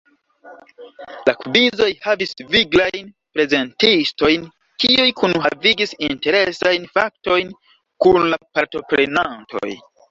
La kvizoj havis viglajn prezentistojn kiuj kunhavigis interesajn faktojn kun la partoprenantoj.